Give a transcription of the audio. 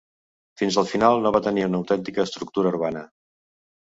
Fins al no va tenir una autèntica estructura urbana.